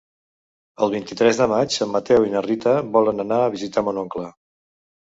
El vint-i-tres de maig en Mateu i na Rita volen anar a visitar mon oncle.